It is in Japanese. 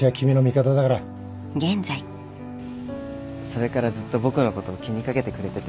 それからずっと僕のことを気に掛けてくれてて。